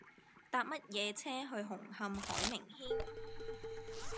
搭乜嘢車去紅磡海名軒